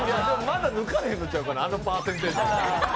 まだ抜かれへんのちゃうかなあのパーセンテージやから。